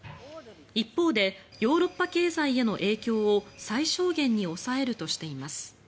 一方でヨーロッパ経済への影響を最小限に抑えるとしています。